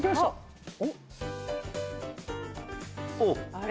あれ？